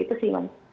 di tiap situasi